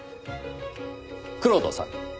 蔵人さん。